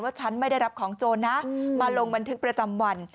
ฉันไม่ได้รับของโจรนะมาลงบันทึกประจำวัน